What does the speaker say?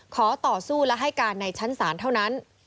ขอต่อสู้และให้การในชั้นศาลเท่านั้น